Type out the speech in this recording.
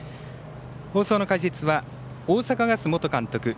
放送の解説は大阪ガス元監督